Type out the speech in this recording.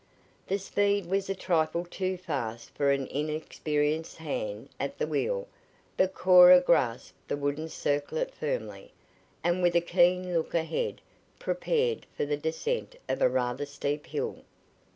The speed was a trifle too fast for an inexperienced hand at the wheel, but Cora grasped the wooden circlet firmly, and with a keen look ahead prepared for the descent of a rather steep hill.